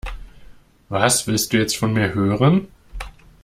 Was willst du jetzt von mir hören?